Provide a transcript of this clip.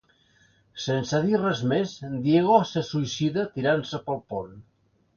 Sense dir res més, Diego se suïcida tirant-se pel pont.